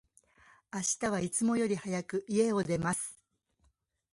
明日は、いつもより早く、家を出ます。